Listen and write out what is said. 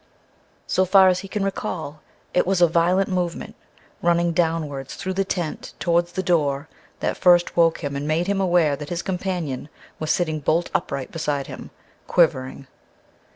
So far as he can recall, it was a violent movement, running downwards through the tent towards the door, that first woke him and made him aware that his companion was sitting bolt upright beside him quivering.